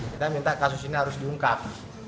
kita minta kasus ini harus diungkap